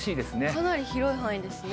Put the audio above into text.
かなり広い範囲ですね。